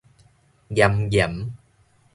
嚴嚴